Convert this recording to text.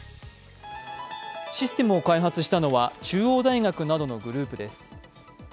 システムを開発したのは中央大学などのグループです。